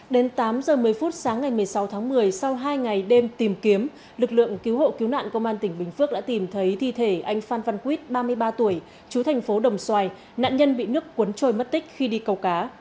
đến tám h một mươi phút sáng ngày một mươi sáu tháng một mươi sau hai ngày đêm tìm kiếm lực lượng cứu hộ cứu nạn công an tỉnh bình phước đã tìm thấy thi thể anh phan văn quýt ba mươi ba tuổi chú thành phố đồng xoài nạn nhân bị nước cuốn trôi mất tích khi đi cầu cá